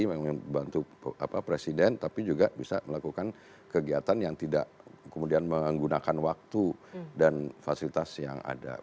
membantu presiden tapi juga bisa melakukan kegiatan yang tidak kemudian menggunakan waktu dan fasilitas yang ada